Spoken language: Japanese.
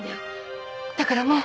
だからもう。